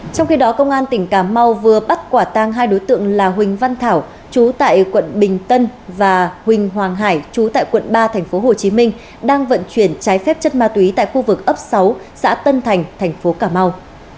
trong khi đó công an tỉnh cà mau vừa bắt quả tang hai đối tượng là huỳnh văn thảo chú tại quận bình tân và huỳnh hoàng hải chú tại quận ba tp hcm đang vận chuyển trái phép chất ma túy tại khu vực ấp sáu xã tân thành thành phố cà mau